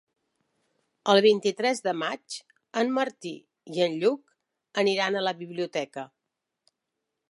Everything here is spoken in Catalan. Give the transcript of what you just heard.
El vint-i-tres de maig en Martí i en Lluc aniran a la biblioteca.